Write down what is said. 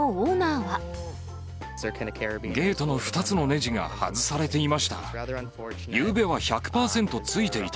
ゲートの２つのねじが外されていました。